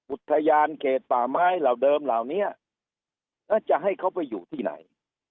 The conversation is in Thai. อุทยานเขตป่าไม้เหล่าเดิมเหล่านี้แล้วจะให้เขาไปอยู่ที่ไหน